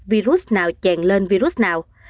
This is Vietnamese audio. virus nào chèn lên virus nào